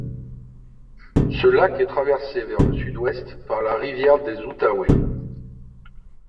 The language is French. Ce lac est traversé vers le Sud-Ouest par la rivière des Outaouais.